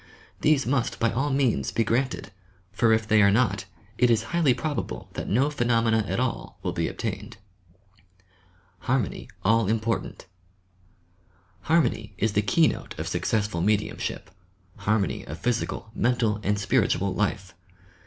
These must by all means be granted, for if they are not, it is highly probable that no phenomena at all will be obtained. HARMONY ALL IMPORTANT Harmony is the keynote of successful mediumship, — harmony of physical, mental and spiritual life.